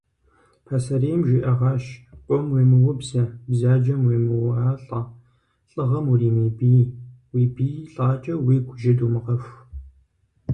Пасэрейм жиӏэгъащ: къуэм уемыубзэ, бзаджэм уемыуалӏэ, лӏыгъэм уримыбий, уи бий лӏакӏэ уигу жьы думыгъэху.